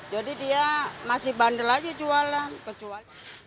jadi dia masih bandel aja jualan